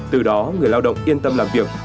từ đó người lao động yên tâm làm việc